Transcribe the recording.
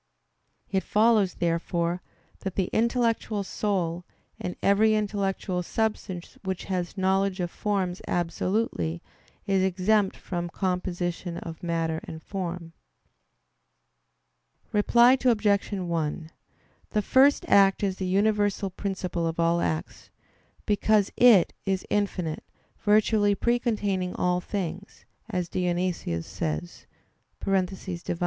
It follows, therefore, that the intellectual soul, and every intellectual substance which has knowledge of forms absolutely, is exempt from composition of matter and form. Reply Obj. 1: The First Act is the universal principle of all acts; because It is infinite, virtually "precontaining all things," as Dionysius says (Div.